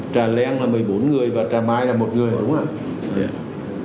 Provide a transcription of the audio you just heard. trà leng là một mươi bốn người và trà mai là một người đúng không ạ